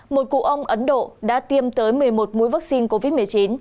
một cụ ông ấn độ đã tiêm tới một mươi một mũi vaccine covid một mươi chín